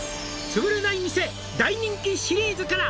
「つぶれない店大人気シリーズから」